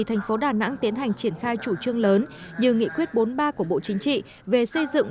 tp đà nẵng tiến hành triển khai chủ trương lớn như nghị quyết bốn ba của bộ chính trị về xây dựng